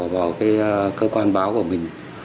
vào cơ quan báo của mình